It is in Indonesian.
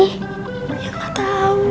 tadi aku gak tau